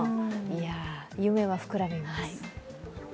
夢は膨らみます。